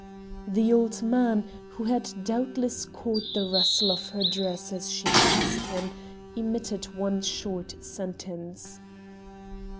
The old man, who had doubtless caught the rustle of her dress as she passed him, emitted one short sentence.